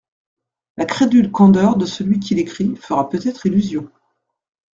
La crédule candeur de celui qui l'écrit, fera peut-être illusion.